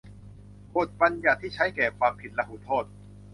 บทบัญญัติที่ใช้แก่ความผิดลหุโทษ